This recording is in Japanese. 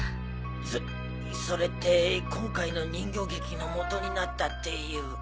そそれって今回の人形劇の元になったっていう。